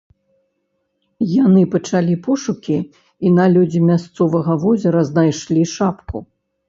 Яны пачалі пошукі і на лёдзе мясцовага возера знайшлі шапку.